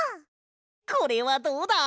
これはどうだ？